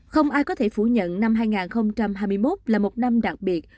không ai có thể phủ nhận năm hai nghìn hai mươi một là một năm đặc biệt